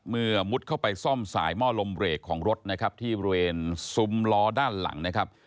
มุดเข้าไปซ่อมสายหม้อลมเบรกของรถนะครับที่บริเวณซุ้มล้อด้านหลังนะครับ